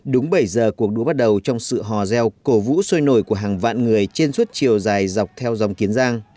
đúng bảy giờ cuộc đua bắt đầu trong sự hò reo cổ vũ sôi nổi của hàng vạn người trên suốt chiều dài dọc theo dòng kiến giang